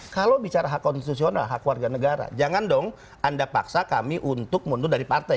kalau bicara hak konstitusional hak warga negara jangan dong anda paksa kami untuk mundur dari partai